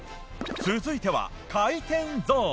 続いては回転ゾーン。